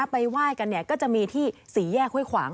ไปไหว้กันเนี่ยก็จะมีที่ศรีแย่ค่วยขวาง